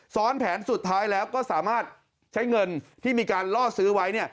ซ้อนแผนสุดท้ายแล้วก็สามารถใช้เงินที่มีการล่อซื้อไว้